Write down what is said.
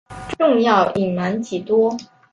仲要隐瞒几多？